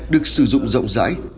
được sử dụng rộng rãi